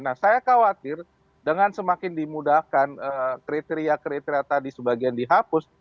nah saya khawatir dengan semakin dimudahkan kriteria kriteria tadi sebagian dihapus